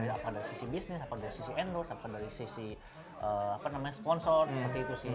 apa dari sisi bisnis apa dari sisi endorse apa dari sisi sponsor seperti itu sih